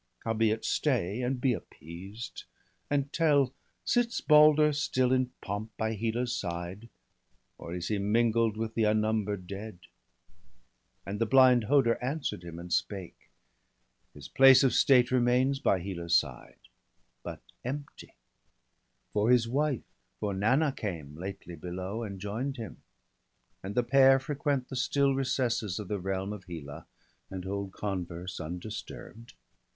Howbeit stay, and be appeased ! and tell : Sits Balder still in pomp by Hela's side. Or is he mingled with the unnumber'd dead?' And the blind Hoder answer'd him and spake :—' His place of state remains by Hela's side, But empty; for his wife, for Nanna came Lately below, and join'd him; and the pair Frequent the still recesses of the realm Of Hela, and hold converse undisturb'd.